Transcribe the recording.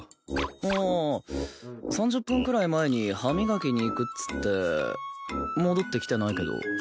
ああ３０分くらい前に歯磨きに行くっつって戻ってきてないけど。